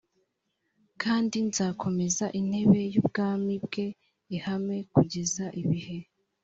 kandi nzakomeza intebe y ubwami bwe ihame kugeza ibihe